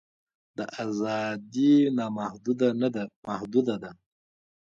دا ازادي نامحدوده نه ده محدوده ده.